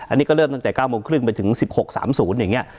อันนี้ก็เริ่มตั้งแต่๙โมงครึ่งไปถึง๑๖๓๐อย่างนี้